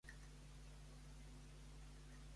L'altura màxima d'alguns pics és d'uns vuit-cents metres.